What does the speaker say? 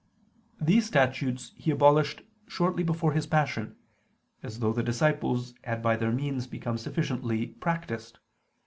These statutes He abolished shortly before His Passion, as though the disciples had by their means become sufficiently practiced.